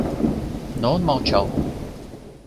Но он молчал.